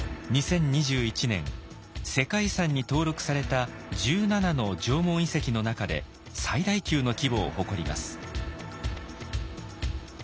２０２１年世界遺産に登録された１７の縄文遺跡の中で最大級の規模を誇ります。